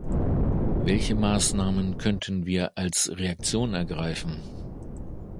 Welche Maßnahme könnten wir als Reaktion ergreifen?